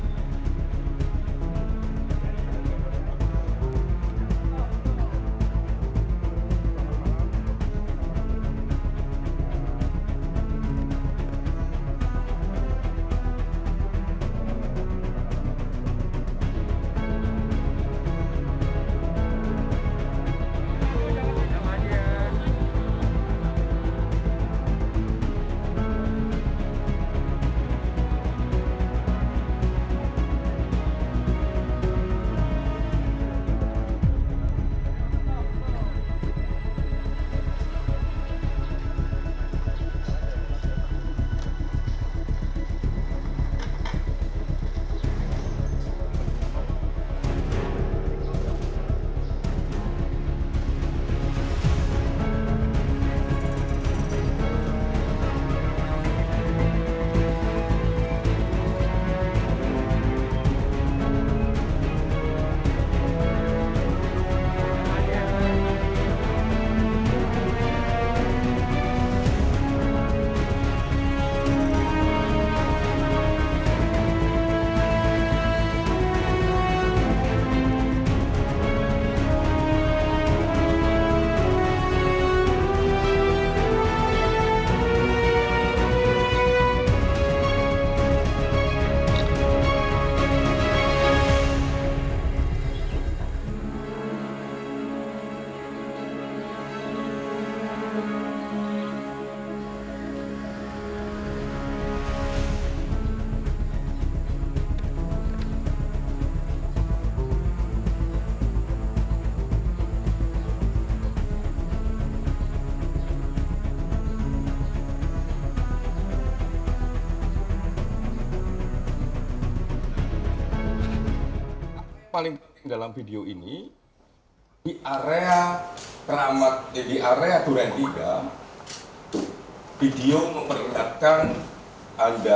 sampai jumpa di video selanjutnya